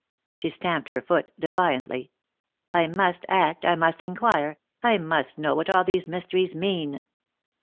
She stamped her foot defiantly. "I must act, I must inquire, I must know what all these mysteries mean!"